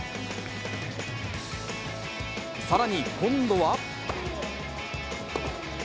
さらに今度は。